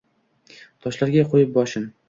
Toshlarga qo’yib boshin